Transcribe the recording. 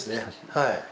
はい。